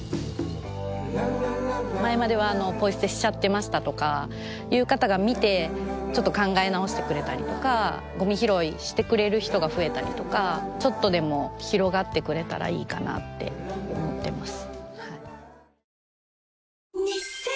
「前まではポイ捨てしちゃってました」とかいう方が見てちょっと考え直してくれたりとかゴミ拾いしてくれる人が増えたりとかちょっとでも広がってくれたらいいかなって思ってます。